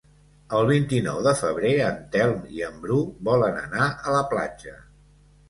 El vint-i-nou de febrer en Telm i en Bru volen anar a la platja.